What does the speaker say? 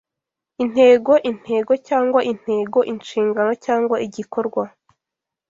Intego Intego cyangwa Intego Inshingano cyangwa Igikorwa